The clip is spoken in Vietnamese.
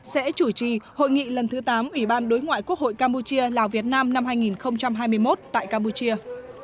sẽ chủ trì hội nghị lần thứ tám ủy ban đối ngoại quốc hội campuchia lào việt nam năm hai nghìn hai mươi một tại campuchia